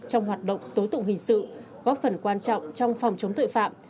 trong hoạt động tố tụng hình sự góp phần quan trọng trong phòng chống tội phạm